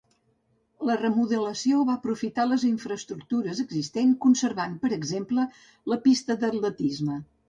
La remodelació va aprofitar les infraestructures existents, conservant per exemple la pista d'atletisme.